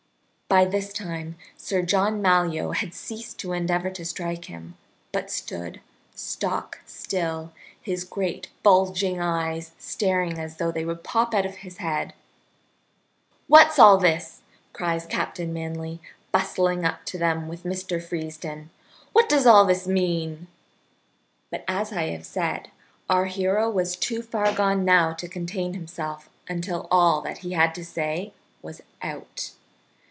By this time Sir John Malyoe had ceased to endeavor to strike him, but stood stock still, his great bulging eyes staring as though they would pop out of his head. "What's all this?" cries Captain Manly, bustling up to them with Mr. Freesden. "What does all this mean?" But, as I have said, our hero was too far gone now to contain himself until all that he had to say was out.